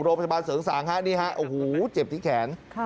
โรงพยาบาลเสริงสางโอ้โหเจ็บที่แขน